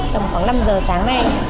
tầm khoảng năm giờ sáng nay